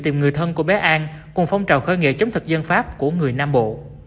tìm người thân của bé an cùng phong trào khởi nghệ chống thực dân pháp của người nam bộ